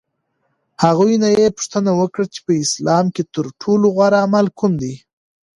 هغوی نه یې پوښتنه وکړه چې په اسلام کې ترټولو غوره عمل کوم دی؟